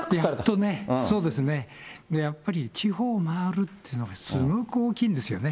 やっとね、やっぱり地方を回るっていうの、すごく大きいんですよね。